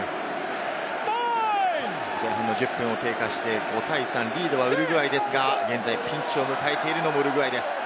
前半１０分経過、５対３、リードはウルグアイですが、現在ピンチを迎えているのもウルグアイです。